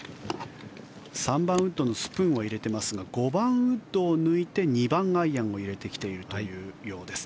３番ウッドのスプーンを抜いてますが５番ウッドを抜いて２番アイアンを入れてきているようです。